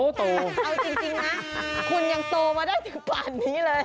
เอาจริงนะคุณยังโตมาได้ถึงป่านนี้เลย